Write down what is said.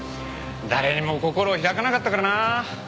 誰にも心を開かなかったからな。